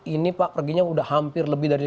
ini pak perginya udah hampir lebih dari tiga tahun